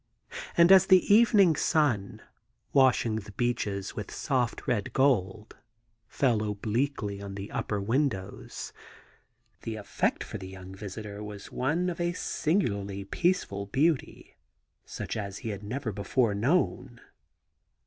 And as the evening sun, washing the beeches with soft red gold, fell obliquely on the upper win dows, the effect for the young visitor was one of a singularly peaceful beauty, such as he had never before known.